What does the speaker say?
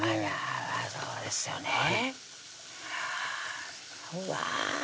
そうですよねうわ